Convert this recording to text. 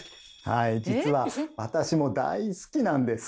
はい実は私も大好きなんです。